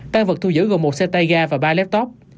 tăng vật thu giữ gồm một xe tay ga và ba laptop